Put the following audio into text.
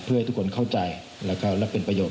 เพื่อให้ทุกคนเข้าใจและเป็นประโยชน